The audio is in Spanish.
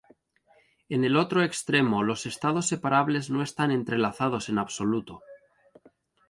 En el otro extremo, los estados separables no están entrelazados en absoluto.